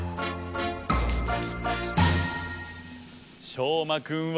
しょうまくんは。